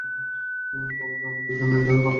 প্রভাত ওদের জন্যে নির্ধারিত কাল।